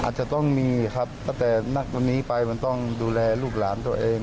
อาจจะต้องมีครับตั้งแต่นักวันนี้ไปมันต้องดูแลลูกหลานตัวเอง